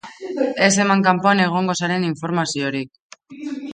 Ez eman kanpoan egongo zaren informaziorik.